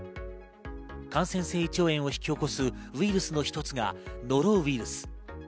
感染性胃腸炎を引き起こすウイルスの一つがノロウイルス。